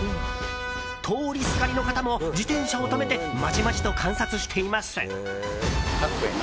通りすがりの方も自転車を止めてまじまじと観察しています。